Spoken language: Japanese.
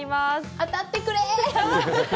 当たってくれー！